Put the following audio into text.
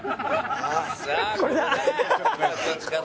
さあこれだ！